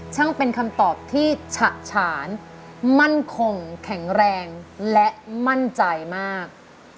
ช่างเป็นคำตอบที่ฉะฉานมั่นคงแข็งแรงและมั่นใจมาก